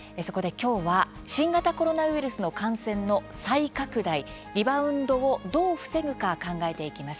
きょうは新型コロナウイルスの感染の再拡大、リバウンドをどう防ぐか考えます。